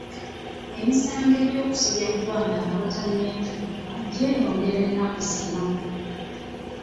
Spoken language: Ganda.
Emisango gy'okusobya ku baana abatanneetuuka gyeyongera ennaku zino.